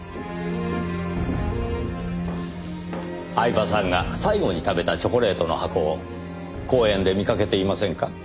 饗庭さんが最後に食べたチョコレートの箱を公園で見かけていませんか？